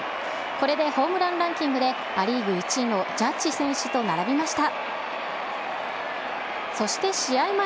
これでホームランランキングでア・リーグ１位のジャッジ選手と並びました。